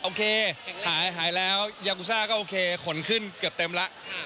โอเคหายแล้วยากูซ่าก็โอเคขนขึ้นเกือบเต็มแล้ว